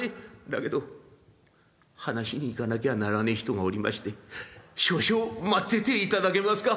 だけど話しに行かなきゃならねえ人がおりまして少々待ってていただけますか？」。